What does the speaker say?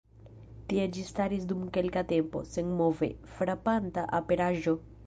Tie ĝi staris dum kelka tempo, senmove; frapanta aperaĵo.